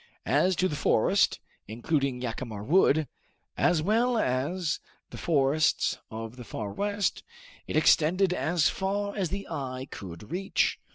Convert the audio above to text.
As to the forest, including Jacamar Wood, as well as the forests of the Far West, it extended as far as the eye could reach.